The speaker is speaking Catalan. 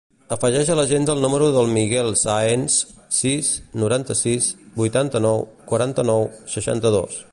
Afegeix a l'agenda el número del Miguel Saenz: sis, noranta-sis, vuitanta-nou, quaranta-nou, seixanta-dos.